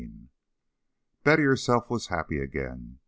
XVII Betty herself was happy again.